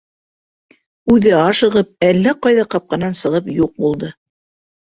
— Үҙе ашығып әллә ҡайҙа ҡапҡанан сығып юҡ булды.